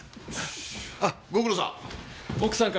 あっご苦労さん。